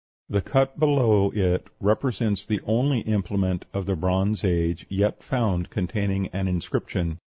The cut below it represents the only implement of the Bronze Age yet found containing an inscription.